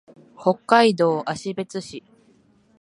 北海道芦別市